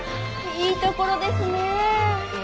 いいところですねえ！